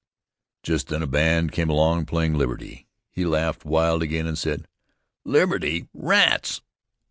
Just then a band came along playing "Liberty." He laughed wild again and said: "Liberty? Rats!"